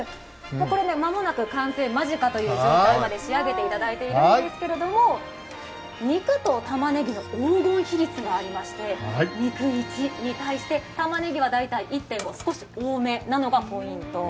間もなく完成間近という状態まで仕上げていただいているんですけれども、肉とたまねぎの黄金比率がありまして、肉１に対してたまねぎは１．５、少し多めなのがポイント。